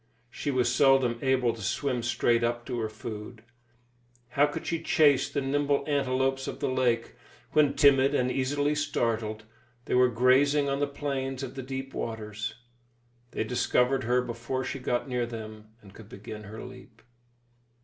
She was seldom able to swim straight up to her food. How could she chase the nimble antelopes of the lake when, timid and easily startled, they were grazing on the plains of the deep waters; they discovered her before she got near them and could begin her leap!